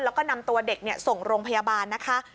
แล้วก็นำตัวเด็กส่งโรงพยาบาลนะคะ